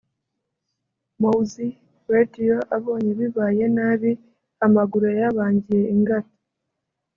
Mowzey Radio abonye bibaye nabi amaguru yayabangiye ingata